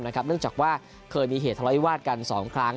เนื่องจากว่าเคยมีเหตุล้อยวาดกันสองครั้ง